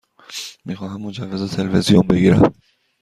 می خواهم مجوز تلویزیون بگیرم.